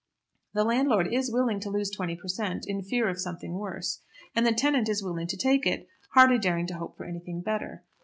The landlord is willing to lose twenty per cent. in fear of something worse, and the tenant is willing to take it, hardly daring to hope for anything better.